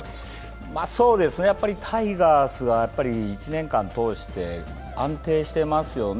タイガースが１年間通して安定してますよね。